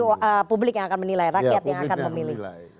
itu publik yang akan menilai rakyat yang akan memilih